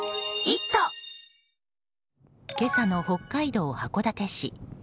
今朝の北海道函館市。